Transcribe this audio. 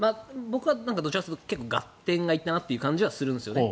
僕はどちらかというと合点がいったなという感じがしたんですね。